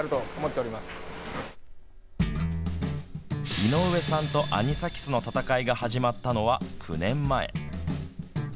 井上さんとアニサキスの戦いが始まったのは９年前。